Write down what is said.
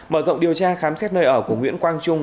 mở rộng điều tra khám xét nơi ở của nguyễn quang trung